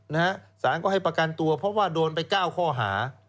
สารก็ให้ประกันตัวเพราะว่าโดนไป๙ข้อหา